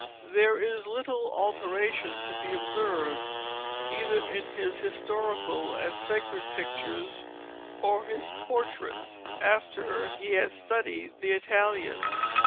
There is little alteration to be observed, either in his historical and sacred pictures or in his portraits, after he had studied the Italians.